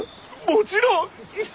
もちろん！